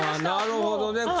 なるほどね。